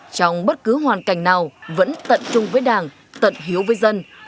trong bất cứ hoàn cảnh nào vẫn tận chung với đảng tận hiếu với dân